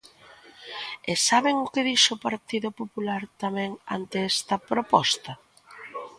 ¿E saben o que dixo o Partido Popular tamén ante esta proposta?